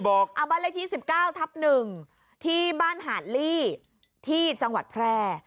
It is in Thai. บ้านเลขที่๑๙ทับ๑ที่บ้านหาดลี่ที่จังหวัดแพร่